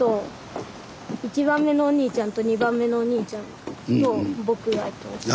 １番目のお兄ちゃんと２番目のお兄ちゃんと僕がやってます。